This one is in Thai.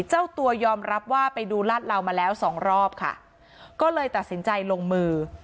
เจ้าตัวยอมรับว่าไปดูลาดเหลามาแล้วสองรอบค่ะก็เลยตัดสินใจลงมือ